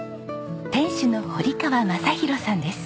店主の堀川雅博さんです。